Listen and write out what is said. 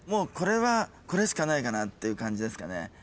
これはこれしかないかなっていう感じですかね。